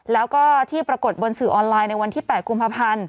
แล้วก็ที่ปรากฏบนสื่อออนไลน์ในวันที่๘กุมภาพันธ์